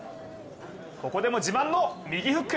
ここでも自慢の右フック！